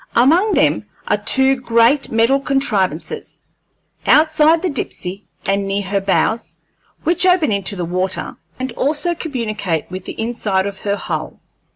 Among them are two great metal contrivances, outside the Dipsey and near her bows, which open into the water, and also communicate with the inside of her hull.